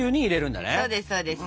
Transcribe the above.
そうですそうです。